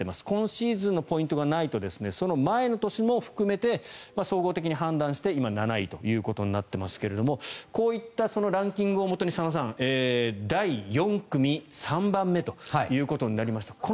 今シーズンのポイントがないとその前の年も含めて総合的に判断して今、７位ということになっていますがこういったランキングをもとに佐野さん、第４組３番目ということになりました。